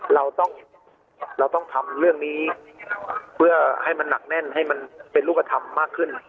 เราต้องเราต้องทำเรื่องนี้เพื่อให้มันหนักแน่นให้มันเป็นรูปธรรมมากขึ้น